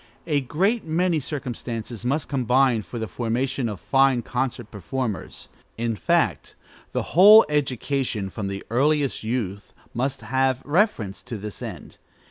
A great many circumstances must combine for the formation of fine concert performers; in fact, the whole education, from the earliest youth, must have reference to this end.